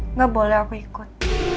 enggak boleh aku ikut